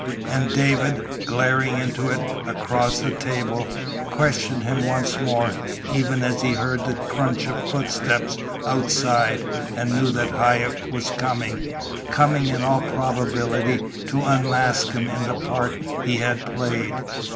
And David, glaring into it across the table, questioned him once more, even as he heard the crunch of footsteps outside, and knew that Hauck was coming coming in all probability to unmask him in the part he had played.